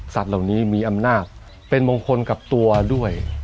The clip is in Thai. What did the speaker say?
เหล่านี้มีอำนาจเป็นมงคลกับตัวด้วย